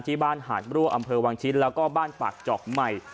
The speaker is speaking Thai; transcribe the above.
ที่บ้านหาดบรั่วอำเภอวางชิดแล้วก็บ้านปากจอกใหม่